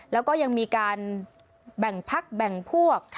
แล้วก็ยังมีการแบ่งพักแบ่งพวก